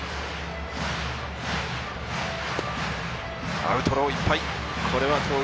アウトローいっぱい。